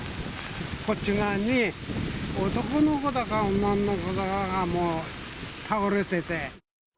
こっち側に男の子だか、女の子だかが、もう倒れてて。